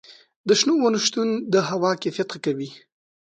د شنو ونو شتون د هوا کیفیت ښه کوي.